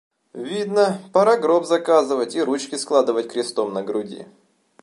Видно, пора гроб заказывать и ручки складывать крестом на груди.